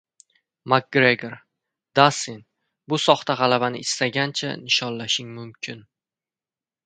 Makgregor: "Dastin, bu soxta g‘alabani istagancha nishonlashing mumkin"